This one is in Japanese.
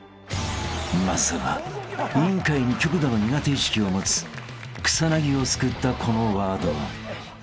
［まずは『委員会』に極度の苦手意識を持つ草薙を救ったこのワードは］